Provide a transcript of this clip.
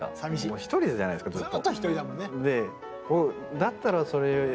一人じゃないですかずっと。